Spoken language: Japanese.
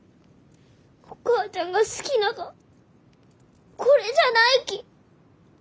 お母ちゃんが好きながはこれじゃないき。